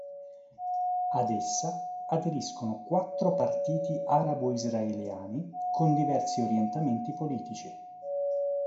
Ad essa aderiscono quattro partiti arabo-israeliani con diversi orientamenti politici.